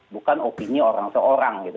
bukan opini orang seorang gitu